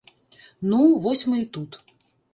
Ну, вось мы і тут.